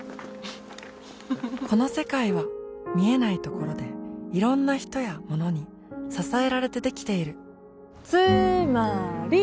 この世界は見えないところでいろんな人やものに支えられてできているつーまーり！